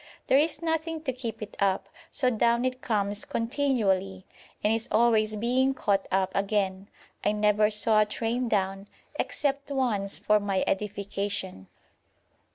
There is nothing to keep it up, so down it comes continually, and is always being caught up again. I never saw a train down, except once for my edification.